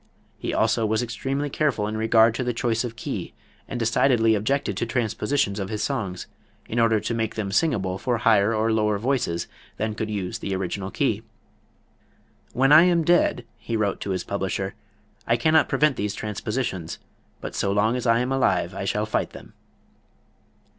He also was extremely careful in regard to the choice of key and decidedly objected to transpositions of his songs, in order to make them singable for higher or lower voices than could use the original key. "When I am dead," he wrote to his publisher, "I cannot prevent these transpositions, but so long as I am alive I shall fight them."